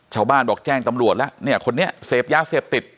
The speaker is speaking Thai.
ชาวบ้านบอกแจ้งตำรวจแล้วเนี่ยคนนี้เสพยาเสพติด